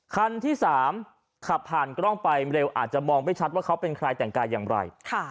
คันที่๓ขับผ่านกล้องไปเร็วอาจจะมองไม่ชัดว่าเขาเป็นใครแต่งกายอย่างไร